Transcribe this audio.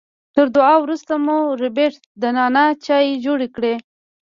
تر دعا وروسته مور ربیټ د نعنا چای جوړ کړ